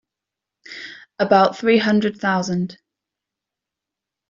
About three hundred thousand.